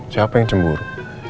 siapa yang cemburu